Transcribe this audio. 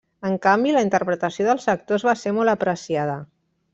En canvi, la interpretació dels actors va ser molt apreciada.